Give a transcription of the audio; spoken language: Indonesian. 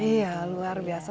iya luar biasa